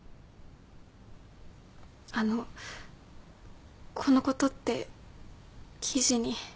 あのこのことって記事に。